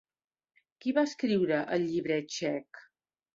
Qui va escriure el llibret txec?